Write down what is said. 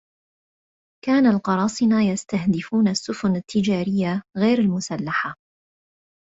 كان القراصنة يستهدفون السفن التجارية غير المسلحة.